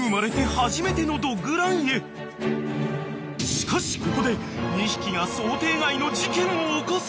［しかしここで２匹が想定外の事件を起こす］